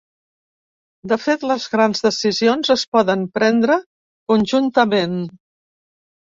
De fet, les grans decisions es poden prendre conjuntament.